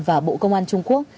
và bộ công an trung quốc